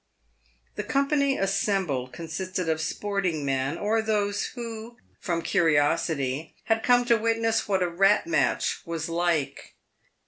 The company assembled consisted of sporting men, or those who, from curiosity, had come to witness what a rat match was like.